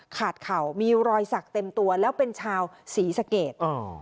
เข่ามีรอยสักเต็มตัวแล้วเป็นชาวศรีสะเกด